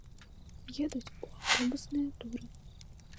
Едуць у аўтобусныя туры.